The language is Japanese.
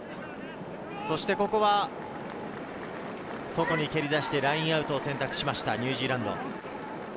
外に蹴り出してラインアウトを選択しました、ニュージーランド。